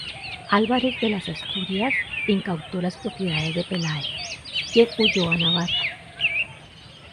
Álvarez de las Asturias incautó las propiedades de Peláez, quien huyó a Navarra.